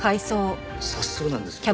早速なんですけど。